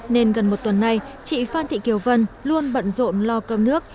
nên gần một tuần nay chị phan thị kiều vân luôn bận rộn lo cơm nước